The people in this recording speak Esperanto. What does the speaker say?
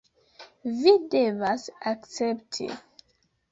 Vi devas akcepti